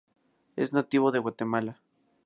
Es nativo de Guatemala.